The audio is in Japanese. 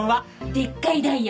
でっかいダイヤ！